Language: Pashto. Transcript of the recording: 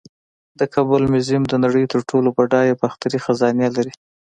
د کابل میوزیم د نړۍ تر ټولو بډایه باختري خزانې لري